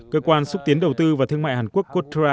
cơ quan xúc tiến đầu tư và thương mại hàn quốc codra